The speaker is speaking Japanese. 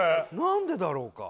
何でだろうか？